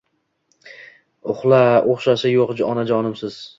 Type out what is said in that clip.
Uxshashi yuq onajonimsiz